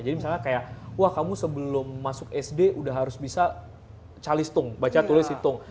jadi misalnya kayak wah kamu sebelum masuk sd udah harus bisa calis tung baca tulis hitung